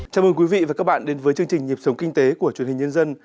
chào mừng quý vị và các bạn đến với chương trình nhịp sống kinh tế của truyền hình nhân dân